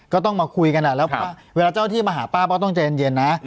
ก็ต้องมาคุยกันแล้วเวลาเจ้าที่มาหาป้าต้องใจเย็นนะ